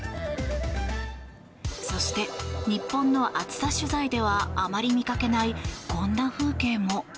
そして、日本の暑さ取材ではあまり見かけないこんな風景も。